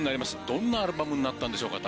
どんなアルバムになったんでしょうか？